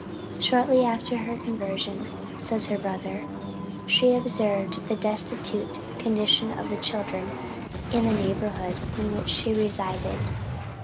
"Shortly after her conversion," says her brother, "she observed the destitute condition of the children in the neighborhood in which she resided.